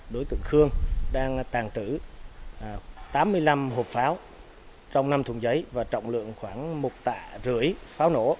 đối tượng khương đang tàn trữ tám mươi năm hộp pháo trong năm thùng giấy và trọng lượng khoảng một tạ rưỡi pháo nổ